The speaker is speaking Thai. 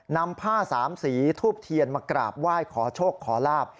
นำผ้าสามสีทูบเทียนมากราบไหว้ขอโชคขอลาบ